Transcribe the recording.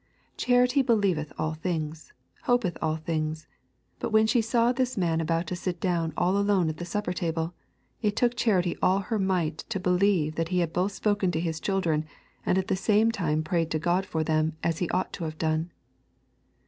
Charity believeth all things, hopeth all things, but when she saw this man about to sit down all alone at the supper table, it took Charity all her might to believe that he had both spoken to his children and at the same time prayed to God for them as he ought to have done.